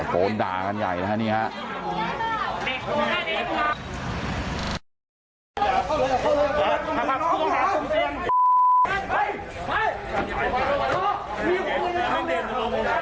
โหดากันใหญ่นะครับ